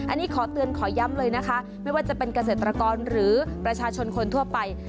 อันนี้ขอเตือนขอย้ำเลยนะคะไม่ว่าจะเป็นเกษตรกรหรือประชาชนคนทั่วไป